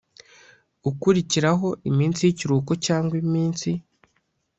ukurikiraho Iminsi y ikiruhuko cyangwa iminsi